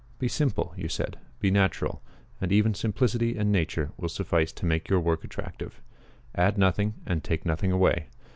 "Be simple," you said, "be natural, and even simplicity and nature will suffice to make your work attractive. Add nothing, and take nothing away.